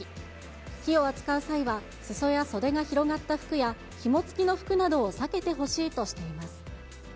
火を扱う際は、裾や袖が広がった服や、ひも付きの服などを避けてほしいとしています。